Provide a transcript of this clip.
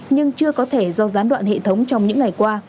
nhưng chưa có thể do gián đoạn hệ thống trong những ngày qua